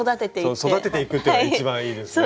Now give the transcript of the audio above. そう育てていくっていうのがいちばんいいですね。